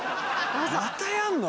またやんの？